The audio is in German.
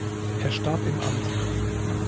Er starb im Amt.